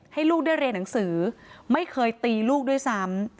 ให้ลูกได้เรียนหนังสือไม่เคยตีลูกด้วยซ้ำ